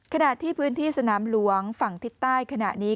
ขณะที่พื้นที่สนามหลวงฝั่งทิศใต้ขณะนี้